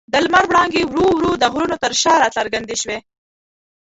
د لمر وړانګې ورو ورو د غرونو تر شا راڅرګندې شوې.